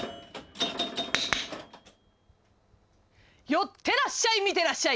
寄ってらっしゃい見てらっしゃい！